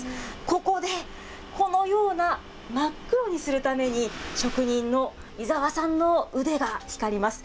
ここで、このような真っ黒にするために、職人の井澤さんの腕が光ります。